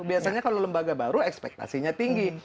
biasanya kalau lembaga baru ekspektasinya tinggi